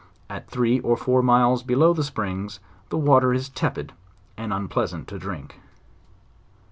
At three or four miles below the springs the water is tepid and unpleasant to drink.